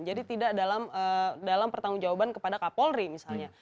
jadi tidak dalam pertanggung jawaban kepada kapolri misalnya